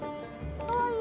かわいい。